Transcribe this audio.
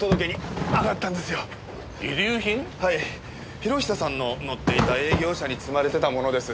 博久さんの乗っていた営業車に積まれてたものです。